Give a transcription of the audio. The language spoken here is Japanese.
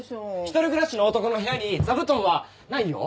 １人暮らしの男の部屋に座布団はないよ。